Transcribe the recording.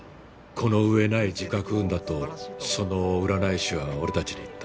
この上ない字画運だとその占い師は俺たちに言った。